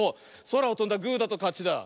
そらをとんだグーだとかちだ。